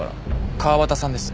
川端さんです。